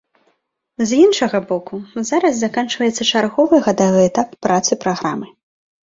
З іншага боку, зараз заканчваецца чарговы гадавы этап працы праграмы.